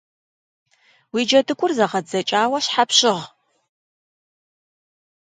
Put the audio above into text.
Уи джэдыгур зэгъэдзэкӏауэ щхьэ пщыгъ?